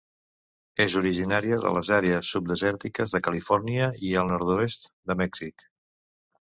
És originària de les àrees subdesèrtiques de Califòrnia i del nord-oest de Mèxic.